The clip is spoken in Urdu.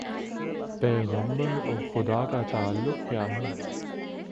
پیغمبر اور خدا کا تعلق کیا ہے؟